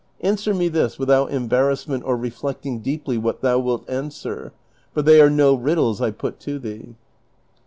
Answer me this, without embarrassment or reflect ing deeply what thou wilt answer, for they are no riddles I put to thee."